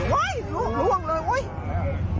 โอ้ยล่วงเลยโอ้ย